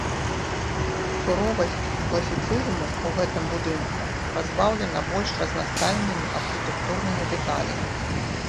Суровасць класіцызму ў гэтым будынку разбаўлена больш разнастайнымі архітэктурнымі дэталямі.